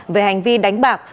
về hành vi đánh bạc